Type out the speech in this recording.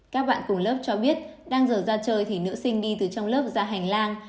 các bạn cùng lớp cho biết đang giờ ra chơi thì nữ sinh đi từ trong lớp ra hành lang